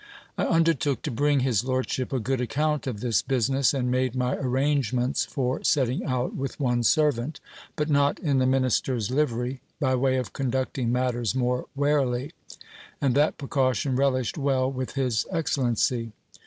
I undertook to bring his lordship a good account of this business, and made my arrangements for setting out with one servant, but not in the minister's livery, by way of conducting matters more warily ; and that precaution relished well with his excellency.